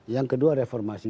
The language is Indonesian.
yang kedua reformasi